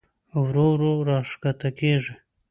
ورو ورو راښکته کېږي.